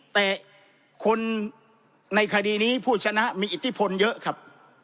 แต่คนในคดีนี้ผู้ชนะมีอิทธิพลเยอะครับ